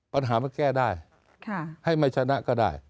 ปัญหามันแก้ได้ให้ไม่ชนะก็ได้